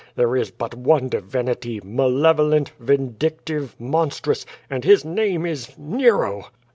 There is but one divinity, malevolent, vindictive, monstrous, and his name is — ^Nero!"